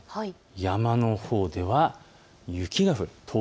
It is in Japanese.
山のほうでは雪が降る。